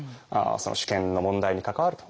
主権の問題に関わると。